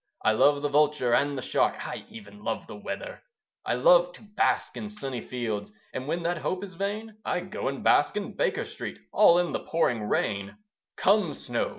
I love the Vulture and the Shark: I even love the weather. I love to bask in sunny fields, And when that hope is vain, I go and bask in Baker Street, All in the pouring rain. Come snow!